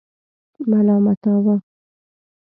ملامتاوه.